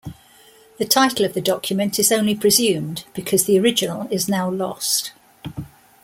The title of the document is only presumed because the original is now lost.